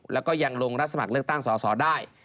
แล้วก็ยังลงรับสมัครเลือกตั้งสอสอได้